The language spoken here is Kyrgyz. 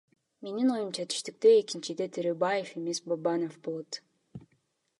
Менин оюмча түштүктө экинчиде Төрөбаев эмес Бабанов болот.